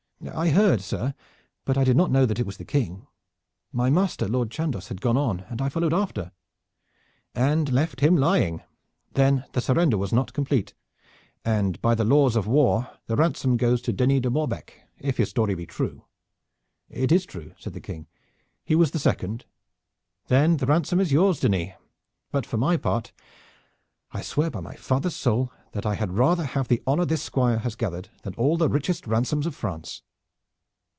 "I heard, sir, but I did not know that it was the King. My master Lord Chandos had gone on, and I followed after." "And left him lying. Then the surrender was not complete, and by the laws of war the ransom goes to Denis de Morbecque, if his story be true." "It is true," said the King. "He was the second." "Then the ransom is yours, Denis. But for my part I swear by my father's soul that I had rather have the honor this Squire has gathered than all the richest ransoms of France."